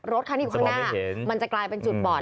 รถคันที่อยู่ข้างหน้ามันจะกลายเป็นจุดบอด